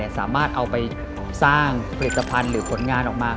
สามารถเอาไปสร้างผลิตภัณฑ์หรือผลงานออกมา